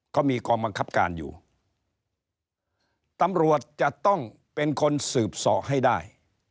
เขามีกองบังคับการอยู่ตำรวจจะต้องเป็นคนสืบสอให้ได้